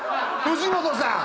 藤本さん。